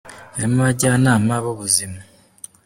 harimo abajyanama b’ubuzima